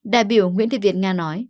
đại biểu nguyễn thị viện nga nói